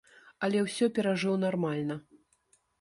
Але ўсё перажыў нармальна.